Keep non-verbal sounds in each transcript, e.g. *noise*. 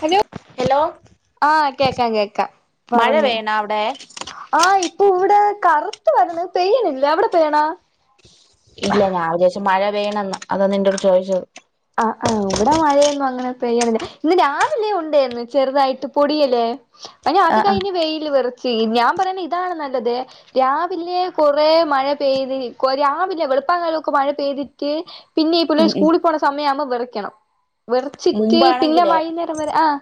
Hello hello ആഹ് കേക്കാം കേക്കാം മഴ പറഞ്ഞോ പെയ്യണ അവിടെ ആഹ് ഇപ്പൊ ഇവിടെ കറുത്ത് വരുന്ന് പെയ്യ്ണില്ല അവിടെ പെയ്യണാ ഇല്ല ഞാൻ വിജാരിചൂ മഴപെയ്യ്ണേ ന്ന് അതാ നിന്റെട് ചോയിച്ചേ ആഹ് ആഹ് ഇവിടെ മഴയൊന്നും അങ്ങനെ പെയ്യണ് ല്ല ഇന്ന് രാവിലെ ഉണ്ടേന്ന് ചെറുതായിട്ട് പൊടിയല്ലേ അനി അത് ആഹ് ആഹ് കഴിഞ്ഞ് വെയില് എറച്ച് ഞാൻ പറയ്ണ ഇതാണ് നല്ലത് രാവിലെ കൊറെ മഴ പെയ്തി കൊ രാവിലെ വെളുപ്പ കാല ഒക്കെ മഴ പെയ്തി പിന്നെ ഉം പിള്ളെര് ഉം സ്കൂളി പോണ സമയാവുമ്പം വെറക്കണം റച്ചി ക്കി പിന്നെ മുമ്പാണെങ്കിലേ വൈന്നൈരം വരെ ആഹ്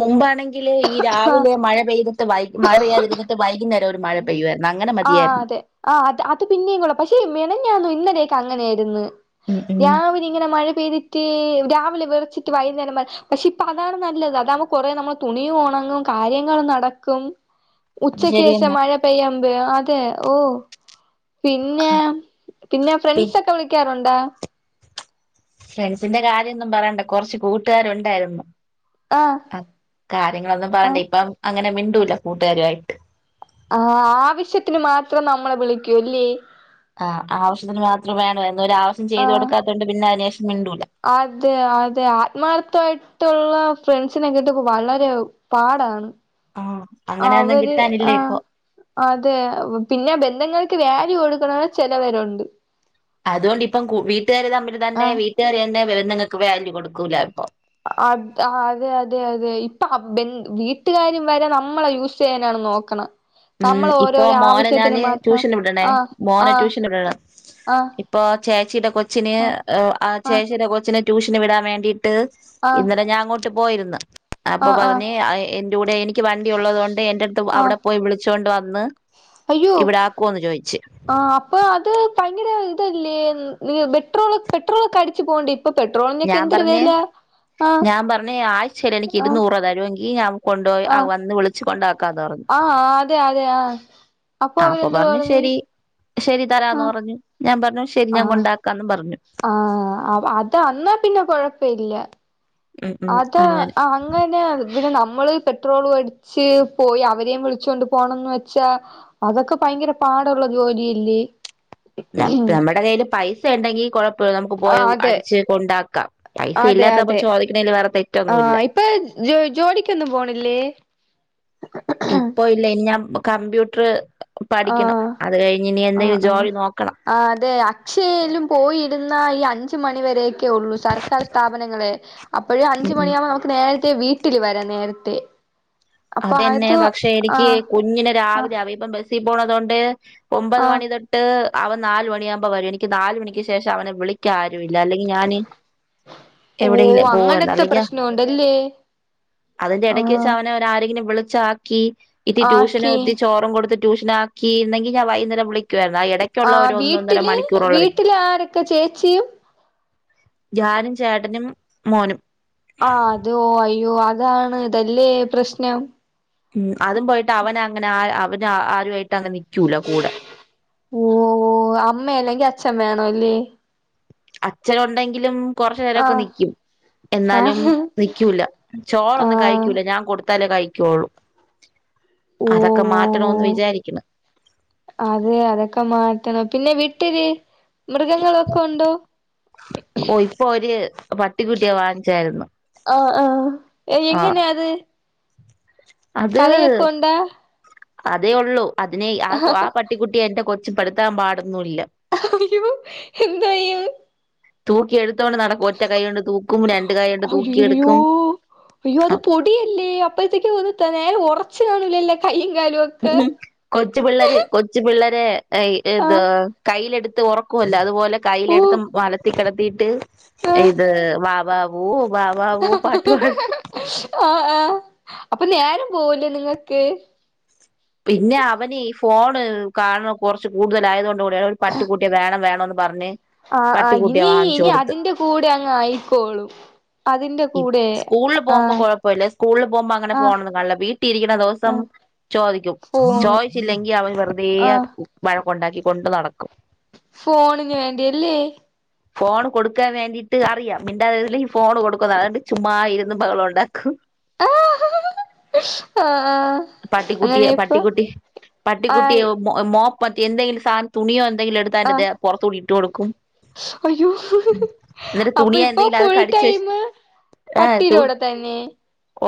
മുമ്പാണെങ്കില് ഈ ആഹ് രാവിലെ മഴ പെയ്തിട്ട് വൈ മഴ പെയ്യാതിര് ന്ന്‌ട്ട് വൈകുന്നേരം ഒരു മഴ പെയ്യായിരുന്നു അങ്ങനെ മതിയായിരുന്നു ആ അത് അത് പിന്നെയും കൊള്ളാം പക്ഷേ മെനഞാന്ന് ഇന്നലേക്ക് അങ്ങനെയിരുന്നു ഉം ഉം രാവി ഇങ്ങനെ മഴ പെയ്തിട്ട് രാവിലെ വിറച്ചിട്ട് വൈകുന്നേരം വരെ പക്ഷെ ഇപ്പൊ അതാണ് നല്ലത് അത് നമു കൊറേ നമ്മള തുണിയും ഒണങ്ങും കാര്യങ്ങൾ നടക്കും *inaudible* ഉച്ചക്ക് ശേഷം ശരിയെന്നെ മഴ പെയ്യുമ്പോ അതെ ഓഹ് പിന്നെ പിന്നെ ഫ്രണ്ട്സ് ഒക്കെ വിളിക്കാറുണ്ടാ ഫ്രണ്ട്സിന്റെ കാര്യമൊന്നും പറയണ്ട കുറച്ച് കൂട്ടുകാരു ഉണ്ടായിരുന്നു ആഹ് ആ കാര്യങ്ങളൊന്നും പറയണ്ട ആഹ് ഇപ്പം അങ്ങനെ മിണ്ടൂല്ല കൂട്ടുകാരുയിട്ട് ആഹ് ആവശ്യത്തിന് മാത്രം നമ്മളെ വിളിക്കൂ ല്ലേ ആഹ് ആവശ്യത്തിന് മാത്രം വേണ എന്നൊരു ആവശ്യം ചെയ്തു ആഹ് കൊടുക്കാത്തോണ്ട് പിന്നെ അതിന് ശേഷം മിണ്ടൂല അതെ അതെ ആത്മാർത്ഥമായിട്ടുള്ള ഫ്രണ്ട്സിനെ കിട്ടാ വളരെ പാടാണ് ആഹ് അങ്ങനെയൊന്നും അവര് കിട്ടാനില്ല ആഹ് ഇപ്പൊ അതെ പിന്നെ ബന്ധങ്ങൾക്ക് വാല്യൂ കൊടുക്ക്ണ ചെലവരുണ്ട് അതുകൊണ്ട് ഇപ്പം കൂ വീട്ടുകാര് തമ്മിൽ തന്നെ ആഹ് വീട്ടുകാർ തന്നെ ബന്ധങ്ങൾക്ക് വാല്യൂ കൊടുക്കൂല ഇപ്പൊ അ അതെ അതെ അതെ ഇപ്പൊ വീട്ടുകാരും വരെ നമ്മളെ യൂസ് ചെയ്യാനാണ് നോക്ക് ണേ ഉം ഇപ്പൊ മോനെ ഞാന് മാത്രം ട്യൂഷന് വിടണേ ആഹ് മോന ആഹ് ട്യൂഷൻ വിടണം ആഹ് ഇപ്പൊ ചേച്ചിയുടെ കൊച്ചിന് ആ ആഹ് ചേച്ചിയുടെ കൊച്ചിന് ട്യൂഷന് വിടാൻ വേണ്ടിട്ട് ആഹ് ആഹ് ഇന്നലെ ഞാൻ അങ്ങോട്ട് പോയിരുന്നു അപ്പൊ ആഹ് ആഹ് പറഞ്ഞ് അ എ ന്റെ ടെ എനിക്ക് വണ്ടി ഉള്ളതു കൊണ്ട് എന്റെ അടുത്ത് ആഹ് അവിടെ പോയി വിളിച്ചോണ്ട് വന്ന് അയ്യോ ഇവിടെ ആക്കുവോന്ന് ചോദിച്ച് ആ അപ്പൊ അത് ഭയങ്കര ഇതല്ലേ പെട്രോൾ പെട്രോൾ ഒക്കെ അടിച്ചു പോണ്ടെ പ്പം പെട്രോൾ ഞാൻ പറ്ഞ്ഞ് ഞാൻ പറ്ഞ് ആഴ്ചയിൽ എനിക്ക് ആഹ് ഇരുന്നൂർ തരൂ ങ്കി ഞാൻ കൊണ്ടോയി ആ ആഹ് വന്ന് വിളി ളിച്ചു കൊണ്ടാക്കാന്ന് പറ്ഞ്ഞു ആഹ് അതെ അതെ ആഹ് അപ്പൊ അവരെന്തു പറ്ഞ്ഞു പറഞ്ഞ് ശെരി ശരി തരാന്ന് ആഹ് പറഞ്ഞു ഞാൻ പറ്ഞ്ഞു ആഹ് ആഹ് അത അന്ന പിന്നെ കൊഴപ്പല്ല ഉം ഉം അതാ അങ്ങനെ ആ അങ്ങനെ പിന്നെ നമ്മള് പെട്രോള് അടിച്ച് പോയി അവരെയും വിളിച്ചൊണ്ട് പോണംന്ന് വെച്ചാ അതൊക്കെ ഭയങ്കര പാടുള്ള ജോലിയല്ലേ നമ്മുടെ കയ്യിൽ പൈസ ഉണ്ടെങ്കി കൊഴ പ്പ നമുക്ക് പോയ ആഹ് അതെ അടിച്ച് കൊണ്ടാക്കാം പൈസ അതെ ഇല്ലാത്തപ്പോ അതെ ചോദിക്ക്ണെൽ വേറെ തെറ്റൊന്നു ഇല്ല ആഹ് ഇപ്പൊ ജ ജോലിക്കൊന്നും പോണില്ലേ ഇപ്പൊ ഇല്ല ഇനി ഞാൻ കമ്പ്യൂട്ട് റ് പഠിക്കണം ആഹ് അത് കഴിഞ്ഞ് ഇനി ആഹ് എന്തെങ്കിലും ആഹ് ജോലി നോക്കണം ആഹ് അതെ അക്ഷയ്ലും പോയിരുന്നാ ഈ അഞ്ചു മണി വരേക്ക് ഒക്കെ ഉള്ളൂ സർക്കാർ സ്ഥാപനങ്ങളേ അപ്പോഴും ഉം അഞ്ചു ഉം മണിയാകുമ്പോൾ നമുക്ക് നേരത്തെ വീട്ടിൽ വരാം നേരത്തെ അപ്പൊ അതന്നെ അത് പക്ഷെ എനിക്ക് ആഹ് കുഞ്ഞിന് രാവിലെ ആഹ് ആവ ഇപ്പ ബസ്സിൽ പോണത് കൊണ്ട് ഒമ്പത് ആഹ് മണി തൊട്ട് ട്ട് അവൻ നാല് മണിആകുമ്പ വരും എനിക്ക് നാല് മണിക്ക് ശേഷം അവനെ വിളിക്കാൻ ആരും ഇല്ല അല്ലെങ്കിൽ ഞാന് ഓഹ് എവിടെയെങ്കിലും പോകാർന്നു അങ്ങനത്തെ അല്ലെങ്കിൽ പ്രശ്നമുണ്ടല്ലേ അതിന്റെ ഇടക്ക് വെച്ച് ആഹ് അവന ആരെങ്കിലും വിളിച് ആക്കി ഇത്തിരി ട്യൂഷൻ ആക്കി ഇത്തിരി ചോറും കൊടുത്തിട്ട് ട്യൂഷനാക്കിയിരുന്നെങ്കിൽ ഞാൻ വൈകുന്നേരം വിളിക്കുവായിരുന്നു ആ ഇട ആ വീട്ടില് വീട്ടില് ആരൊക്കെ ചേച്ചിയും ഞാനും ചേട്ടനും മോനും ആഹ് അതോ അയ്യോ അതാണ്ല്ലേ പ്രശ്നം ഉം അതും പോയിട്ട് അവ്ന അങ്ങനെ ആ അവന് ആരുമായിട്ട് അങ്ങ് നിക്കൂല കൂടെ ഓ ഓ അമ്മ അല്ലെങ്കി അച്ഛൻ വേണം അല്ലേ അച്ഛനുണ്ടെങ്കിലും കുറച്ചു നേരോക്കെ ആഹ് നിക്കും എന്നാലും ആഹ് നിക്കൂല്ല ചോറൊന്നും ആഹ് കഴിക്കൂല്ല ഞാൻ കൊടുത്താലേ കഴിക്കുള്ളൂ ഓഹ് ഓഹ് അതൊക്കെ മാറ്റണോന്ന് ഓഹ് വിചാരിക്കണ് അതെ അതൊക്കെ മാറ്റണം പിന്നെ വിട്ടില് മൃഗങ്ങളൊക്കെ ഉണ്ടോ ഓ ഇപ്പൊ ഒര് പട്ടിക്കുട്ടിയെ വാങ്ങിച്ചായിരുന്നു ആഹ് ആ എങ്ങനെയാ അത് അത് കളിയൊക്കെ ഉണ്ടാ അതേ ഉള്ളു അതിനെ ആ ആ പ ട്ടിക്കുട്ടിയെ എന്റെ കൊച്ചു പെടുത്താൻ പാടൊന്നുല്ല അയ്യോ എന്തായും അത് തൂക്കി എടുത്തോണ്ട് നടക്കും ഒറ്റ കൈയ്യോണ്ട് തൂക്കും രണ്ട് കൈയ്യോണ്ട് തൂക്കി അയ്യയ്യോ എടുക്കും അയ്യോ അത് പൊടിയല്ലേ അപ്പഴത്തേക്ക് ന്ന നേരെ ഒറച്ച് കാണൂലല്ലേ കയ്യും കാലുംക്കെ ഉം കൊച്ചു പിള്ളര് കൊച്ചു പിള്ളരെ ഏത് ആഹ് കൈയിലെടുത്ത് ഉറക്കുവല്ലോ അതുപോലെ ഓഹ് കൈയിലെടുത്ത് മലത്തി കിടത്തിട്ട് ആഹ് ഇത് വാവാവോ വാവാവോ പാട്ടുപാടും ഓഹ് ആ അപ്പൊ നേരം പോവൂലേ നിങ്ങക്ക് പിന്നെ അവന് ഈ ഫോണ് കാണുന്നെ കൊറച്ച് കൂടുതലായത് കൊണ്ട് ഒരു പട്ടിക്കൂട്ടിയെ വേണം വേണന്ന് പറഞ്ഞ് ആഹ് ആ പട്ടിക്കുട്ടിയെ ഇനി വാങ്ങിച്ചു ഇനി കൊടുത്ത് അതിന്റെ കൂടെ അങ്ങ് ആയിക്കോളും അതിന്റെ കൂടെ സ്കൂളിൽ പോകുമ്പോ ആഹ് കുഴപ്പല്ല സ്കൂളിൽ പോകുമ്പോ അങ്ങനെ ആഹ് ഫോണൊന്നും കാണില്ല വീട്ടിരിക്കണ ദിവസം ആഹ് ചോദിക്കും ഫോണ് ചോദിച്ചില്ലെങ്കി അവൻ വെറുതെ ആഹ് വഴക്കുണ്ടാക്കി കൊണ്ട് നടക്കും ഫോണിന് വേണ്ടിയല്ലേ ഫോൺ കൊടുക്കാൻ വേണ്ടിയിട്ട് അറിയാം മിണ്ടാ തിരുന്നേ ഫോണ് കൊടുക്കുന്ന് അതുകൊണ്ട് ചുമ്മാ ഇരുന്നു ബഹളം ഉണ്ടാക്കും ആഹ് ആ പട്ടിക്കുട്ടിയെ പട്ടിക്കുട്ടി ആയി പട്ടിക്കുട്ടിയെ മോപ്പ് എന്തെങ്കിലും സാ തുണിയോ എന്തെങ്കിലും എടു റ ആഹ് *unintelligible* പുറത്തൂടി ഇട്ട് കൊടുക്കും അയ്യോ എന്നിട്ട് അപ്പൊ തുണിയെ ഇപ്പൊ എന്തെങ്കിലും അത് ഫുൾ കടിച്ചു വെച്ച് ടൈം ഏഹ് പട്ടിടെ കൂടെ തന്നെ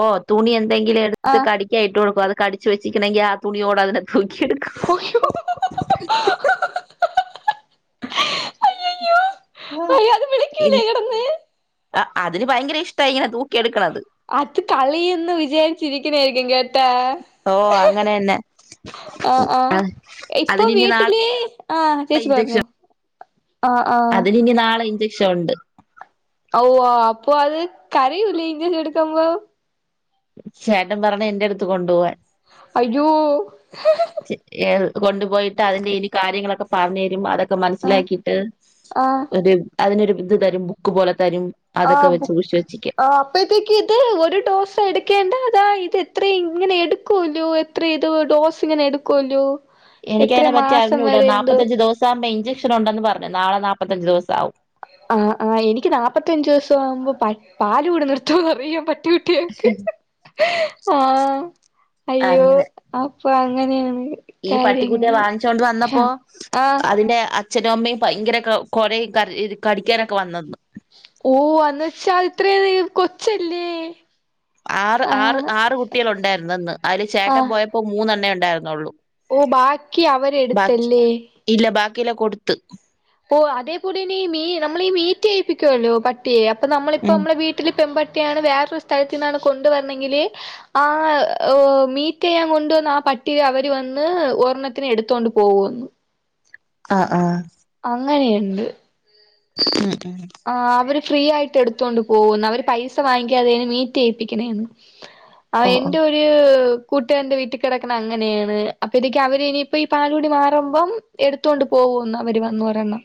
ഓ തുണി എന്തെങ്കിലും എടുത്ത് ആഹ് കടിക്കാനിട്ട് കൊടുക്കും അത് കടിച്ച് വെച്ച്ക്കണെങ്കി ആ തുണിയോടെ അതിനെ തൂക്കിയെടുക്കും ഓയ്യൂ അയ്യയ്യോ ആഹ അയ്യോ അത് വിളിക്കൂലേ ഇത് *unintelligible* കെടന്ന് ആ അതിന് ഭയങ്കര ഇഷ്ടാ ഇങ്ങനെ തൂക്കി എടുക്കണത് അത് കളിന്ന് വിജാരിചിരിക്കണാരിക്കും കേട്ടാ ഓ അങ്ങനെന്നെ ആഹ് ആ ഇപ്പൊ അതിനിനി നാളെ വീട്ടില് ആ ചേച്ചി പറഞ്ഞോ ആഹ് ആഹ് അതിന് ഇനി നാളെ ഇൻചക്ഷൻ ഉണ്ട് ഓ അപ്പൊ അത് കരയൂല്ലേ ഇഞ്ചക്ഷൻ എടുക്കുമ്പോ ചേട്ടൻ പറഞ്ഞ എന്റെടുത്ത് കൊണ്ടുപോവാൻ അയ്യോ കൊണ്ടുപോയിട്ട് അതിന്റെ ഇനി കാര്യങ്ങളൊക്കെ പറഞ്ഞു തരുമ്പോ അതൊ ക്കെ ആഹ് മനസ്സിലാക്കിട്ട് ആഹ് ഒരു അതിനൊരു ഇത് തരും ബുക്ക് പോലെ തരും അതൊക്കെ ആഹ് വെച്ച് സൂക്ഷിച്ച് ബുക്ക് വെച്ചിക്ക് ആഹ് അപ്പോഴത്തേക്ക് ഇത് ഒരു ഡോസ് എടുക്കേണ്ട അതാ ഇത് എത്ര ഇങ്ങനെ എടുക്കോല്ലോ എത്ര ഇത് ഡോസ്ങ്ങനെ എടുക്കുവല്ലോ എനിക്ക് എത്ര അതിനെപറ്റി മാസം അറിഞ്ഞുകൂട വരെ എന്തോ നാപ്പത്തഞ്ച ദിവസാവുമ്പോ ഇഞ്ചക്ഷൻണ്ടെന്ന് പറഞ്ഞ നാളെ നാല്പ്പത്തഞ്ച് ദിവസവും ആഹ് ആ എനിക്ക് നാല്പ്പത്തഞ്ചച് ദിവസം ആവുമ്പോ പ പാല് കൂടി നിർത്തുന്നറിയൻ പറ്റി ആഹ് അയ്യോ അങ്ങനെ അപ്പൊ അങ്ങനെയാണ് ഈ പട്ടിക്കുട്ടിയെ കാര്യങ്ങള് വാങ്ങിച്ചൊണ്ട് വന്നപ്പോ ആഹ് അതിന്റെ ചഛനും അമ്മയും ഭയങ്കര കുറേ ക കടിക്കാനൊക്കെ വന്നന്നു ഓഹ് അന്ന് വെച്ചാ ഇത്രേ കൊച്ചല്ലേ ആറ് ആറ് ആഹ് ആറ് കുട്ടികൾ ഉണ്ടായിരുന്നു അന്ന് അതില് ചേട്ടൻ പോയപ്പോ മൂന്നെണ്ണേ ഉണ്ടായിരുന്നുള്ളു ഓഹ് ബാക്കി അവരെടുത്തല്ലേ ഇല്ല ബാക്കിെല്ലാം കൊടുത്ത് ഒഹ് അതേപോലെ തന്നെ മീ നമ്മളീഈ മീറ്റ് ചെയ്യിപ്പിക്കുവല്ലോ പട്ടിയെ അപ്പൊ നമ്മളിപ്പ ഉം നമ്മള വീ വീട്ടില് പെമ്പട്ടിയാണ് വേറൊരു സ്ഥലത്ത നിന്നാണ് കൊണ്ട വരണെങ്കില് ആഹ് മീറ്റ് ചെയ്യാൻ കൊണ്ടുവന്ന് ആ പട്ടി അവര് വന്ന് ഒരണ്ണത്തിന് എടുത്തോണ്ട് പോകുവെന്ന് ആഹ് ആഹ് അങ്ങനെയുണ്ട് ഉം ഉം ആഹ് അവര് ഫ്രീ ആയിട്ട് എടുത്തൊണ്ട് പോകുന്നു അവര് പൈസ വാങ്ങിക്കാതെയാണ് മീറ്റ് ചെയയിപ്പിക്കണന്ന് ആഹ് ഓ ഓ എന്റെ രു രു കൂട്ടുകാരന്റെ വീട്ടിൽ കിടക്കണ അങ്ങനെയാണ് അപ്പൊ ഇതൊക്ക അവര് ഇനിയിപ്പോ ഈ പാല് കൂടി മാറുമ്പം എടുത്തൊണ്ട് പോകോന്ന് അവര് വന്നോരെണ്ണം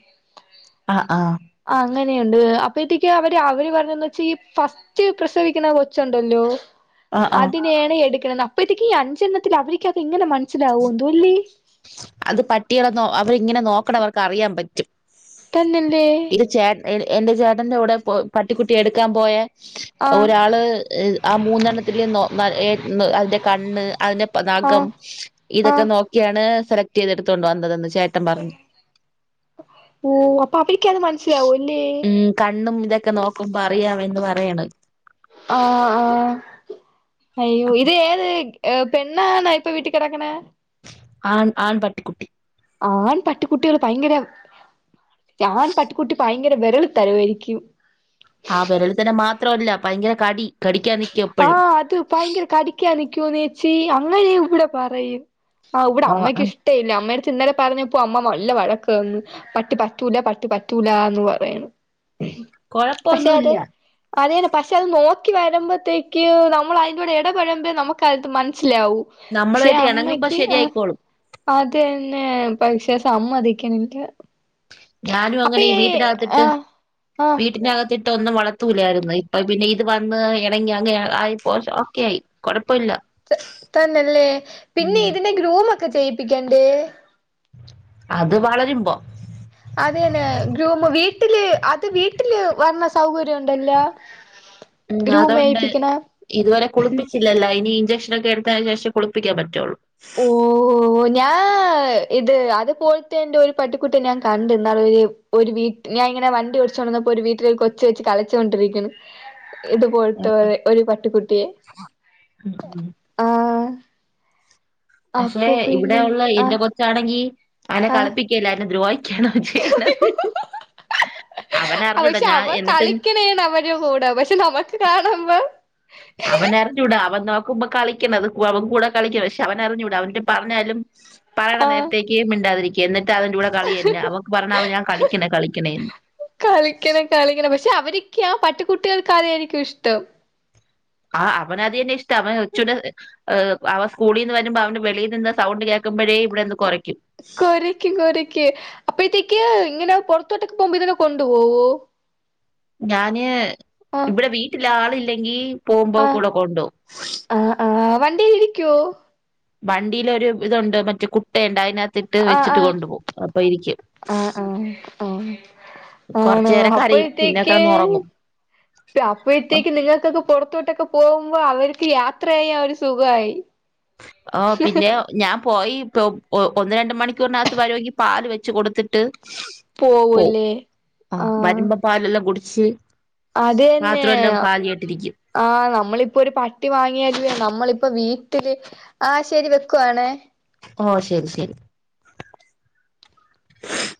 ആഹ് ആഹ് ആ അങ്ങനെയുണ്ട് അപ്പഴത്തേക്ക് അവര് അവര് പറഞ്ഞതന്ന് വെച്ചാ ഈ ഫസ്റ്റ് കുറ്റ പ്രസവിക്കുന്ന കൊച്ചുണ്ടല്ലോ ആഹ് ആഹ് അതിനെയാണ് എടുക്കണന്ന്‌ അപ്പഴത്തേക്കും ഈ അഞ്ചെണ്ണത്തിൽ അവർക്ക്ക്കെ ഇങ്ങനെ മനസ്സിലാവോ എന്തല്ലേ അത് പട്ടികള അവരിങ്ങനെ നോക്കണ അവർക്ക് അറിയാൻ പറ്റും തന്നെല്ലേ ചേട്ട എൻന്റെ ചേട്ടന്റെറെ കൂടെ പ പട്ടിക്കുട്ടി എടുക്കാൻ പോയ ആ ഒരാള് ആഹ് മൂന്നെണ്ണത്തില നൊ ന എ അതിന്റെ കണ്ണ് അതിന്റെ ആ നഖം ആ ഇതൊക്കെ നോക്കി ണ് സെലക്ട് ചെയ്തടുത്തണ്ട് വന്നതന്ന് ചേട്ടൻ പറഞ്ഞു ഓഹ് അപ്പൊ അവര്ക്കത് മനസ്സിലാവുംല്ലേ ഉം കണ്ണും ഇതൊക്കെ നോക്കുമ്പോ അറിയാം എന്ന് പറയണ് ആഹ്ആഹ്അയ്യോ ഇത് ഏത് പെണ്ണാണ ഇപ്പൊ വീട്ടി കിടക്കണെ ആൺ ആൺ പട്ടിക്കുട്ടി ആൺ പട്ടിക്കുട്ടികൾ ഭയങ്കര ആൺ പട്ടിക്കൂട്ടി ഭയങ്കര വിരളി തരമായിരിക്കും ആഹ് വിരളി തരം മാത്രല്ല ഭയങ്കര കടി കടിക്കാൻ നി ആഹ് അത് ഭയങ്കര കടിക്കാ നിക്കൂ നേച്ചി അങ്ങനെ ഇവിടെ പറയും ആഹ് ഇവിടെ അമ്മയ്ക്ക് ഇഷ്ടമല്ല അമ്മയുടെത്ത് ഇന്നലെ പറഞ്ഞപ്പോ അമ്മ നല്ല വഴക്ക് തന്ന് പട്ടി പറ്റൂല പട്ടി പറ്റൂല എന്ന് പറയണ് പക്ഷെ അത് കൊഴപ്പൊന്നുല്ല അതന്നെ പക്ഷെ അത് നോക്കി വരുമ്പോത്തേക്ക് ക്ക് നമ്മൾ അതിന്റെ കൂടെ ഇടപെഴുമമ്പോഴെ നമുക്ക് മനസ്സിലാവു പക്ഷേ നമ്മളുമായിട്ട് ഇണങ്ങുമ്പോ അമ്മക്ക് ആഹ് ശരിയായിക്കോളും അതന്നെ പക്ഷെ സമ്മതിക്കണില്ല ഞാനും അങ്ങനെ ഈ വീട്ടിനകത്തിട്ട് ആഹ് ആഹ് വീട്ടിനകത്തി ട്ടൊന്നും വളർത്തുലായിരുന്നു ഇപ്പ പിന്നെ ഇത് വന്ന് ഇണങ്ങി അങ്ങ ആയിപ്പോഓക്കെ ആയി കുഴപ്പമില്ല ത തന്നല്ലേ പിന്നെ ഇതിന്റെ ഗ്രൂമ ഒക്കെ ചെയ്യിപ്പിക്കണ്ടേ അത് വളരിമ്പോ അതന്നെ ഗ്രൂമു വീട്ടില് അത് വീട്ടില് വരണ സൗകര്യം ഉണ്ടല്ല ഉം അതൊണ്ട് ഇതുവരെ കുളിപ്പിച്ചില്ലല്ലോ ഇനി ഇഞ്ചെക്ഷന ഒക്കെ എടുത്തതിന് ശേഷം കുളിപ്പിക്കാൻ പറ്റുള്ളൂ. ഓഹോ ഞാ ഇത് അതുപോലത്തെ എന്റെ ഒരു പട്ടിക്കുട്ടി ഞാൻ കണ്ട ഇന്നാള ഒരു വീട്ട ഞാൻ ഇങ്ങനെ വണ്ടി ഓടിച്ചോണ്ടിരുന്നപ്പോ ഒരു വീട്ടിൽ കൊച്ചച്ച് വെച്ച് കളച്ചുകൊണ്ടിരിക്കുന്നു ഇത്പോലത്തെ ഉം ഒരു പട്ടിക്കുട്ടിയെ ഉം ഉം. ആഹ് പക്ഷെ അപ്പൊ ഇവിടെ പിന്നെ ഉള്ള എന്റെ ആഹ് കുറച്ചാണെങ്കി അനെ ആഹ് കളിപ്പിക്കല്ല അ ദ്രോഹിക്കാന ചെയ്യണത് അവന അറിഞ്ഞുട്ടോ പക്ഷെ ഞാൻ അവൻ എന്നിട്ട് *unintelligible* അവരെ കൂടെ പ ക്ഷെ നമ്മുക്ക് കാണുമ്പ അവന ൂടാ അവൻ നോക്കുമ്പോ കളിക്കണ അത് അവൻ കൂടെ കളിക്കണം പക്ഷെ അവൻറിഞ്ഞൂടാ അവൻ് പറഞ്ഞാലും പറയണ ആഹ് നേരത്തേക്ക് മിണ്ടാതിരിക്കും എന്നിട്ട് അതിന്റെ കൂടെ കളിന്നെ അവക്ക് പറഞ്ഞ അവൻ ഞാൻ കളിക്കണ കളണന്ന് കളിക്കണം കളിക്കണം പക്ഷെ അവർരിക്കാ പട്ടുകുട്ടികൾക്കതൊയിരിക്കും ഇഷ്ടം ആ അവന അ തന്നെ ഇഷ്ട അവൻ ഒച്ചൂടെ അവൻ സ്കൂളീ നിന്ന് വരുമ്പോ അവന്റെ വെളിയിൽ നിന്ന് സൗണ്ട് കേൾക്കുമ്പോഴേ ഇവിടെന്ന് കോരക്കും കൊരക്കും കൊരക്കക്ക് അപ്പഴത്തേക്ക് ഇങ്ങനെ പുറത്തോട്ടൊക്ക് പോകുമ്പോ ഇതിനെ കൊണ്ടു പോവോ ഞാന് ആഹ് ഇവിടെ വീട്ടില ആളില്ലെങ്കി പോകുമ്പോ ആഹ് കൂടെ കൊണ്ടു പോകും ആഹ് ആഹ് വണ്ടിൽ ഇരിക്കുവോ? വണ്ടിയിലൊ ഒരു ഇതുണ്ട് മറ്റേ കുട്ട ഉണ്ട് അതിനകത്തി ഇട്ട് ആഹ് വെച്ചിട്ട് ആഹ് കൊണ്ടുപോ അപ്പൊ ഇരിക്കും ആഹ് ആഹ് ആഹ് കൊറച്ചു ആണോ നേരം കരയും പിന്നെ അപ്പോഴത്തേക്ക് കടന്ന്ുറങ്ങും അപ്പോഴത്തേക്ക് നിങ്ങൾക്കൊക്കെ പുറത്തോട്ടൊക്കെ പോകുമ്പോ അവർക്ക് യാത്ര ചെയ്യ അവര് സുഖമായി ആഹ് പിന്നെ ഞാൻ പോയി ഇപ്പൊ ഒന്ന് രണ്ട് മണിക്കൂറിനകത്ത് വരുമെങ്കി പാല് വെച്ച് കൊടുത്തിട്ട് പോവും പോവൂല്ലേ ആ വരുമ്പ പാലെല്ലാം കുടിച്ച് അതന്നെ പാത്രമെല്ലാം കാലിയായിട്ടിരിക്കും. ആഹ് നമ്മളിപ്പോ ഒരു പട്ടി വാങ്ങിയരിക്ക നമ്മളിപ്പ വീട്ടില് ആഹ ശരി വെക്കുവാണേ ഓ ശരി ശരി